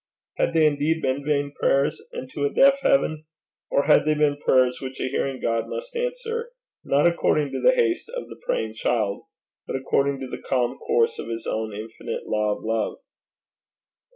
Had they indeed been vain prayers, and to a deaf heaven? or had they been prayers which a hearing God must answer not according to the haste of the praying child, but according to the calm course of his own infinite law of love?